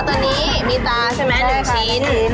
ตัวนี้มีตาใช่ไหม๑ชิ้น